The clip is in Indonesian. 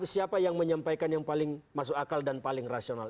siapa yang menyampaikan yang paling masuk akal dan paling rasional